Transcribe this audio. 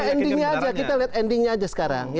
itu aja endingnya aja kita lihat endingnya aja sekarang